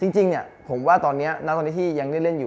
จริงเนี่ยผมว่าตอนนี้ที่ยังเล่นอยู่